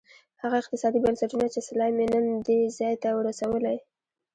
هغه اقتصادي بنسټونه چې سلایم یې نن دې ځای ته رسولی.